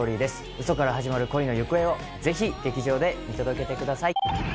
ウソから始まる恋の行方をぜひ劇場で見届けてください。